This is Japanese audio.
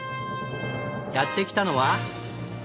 やって来たのは。